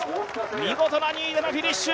見事な２位でのフィニッシュ。